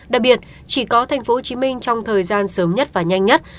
đặc biệt chỉ có tp hcm trong thời gian sớm nhất và nhanh nhất